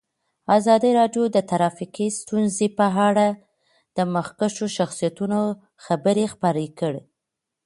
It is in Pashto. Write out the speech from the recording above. ازادي راډیو د ټرافیکي ستونزې په اړه د مخکښو شخصیتونو خبرې خپرې کړي.